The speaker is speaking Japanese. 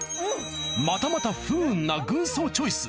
またまた不運な軍曹チョイス。